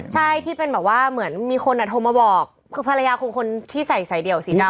ใช่ที่เป็นแบบว่าเหมือนมีคนอ่ะโทรมาบอกคือภรรยาคงคนที่ใส่สายเดี่ยวสีดำ